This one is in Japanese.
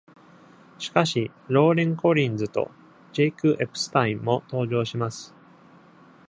しかし、ローレンコリンズとジェイクエプスタインも登場します。